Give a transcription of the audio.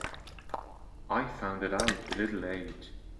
I found it out a little late.